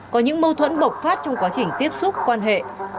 có những mâu thuẫn bộc phát trong quá trình tiếp xúc quan hệ